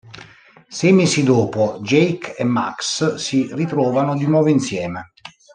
Sei mesi dopo: Jake e Max si ritrovano di nuovo insieme.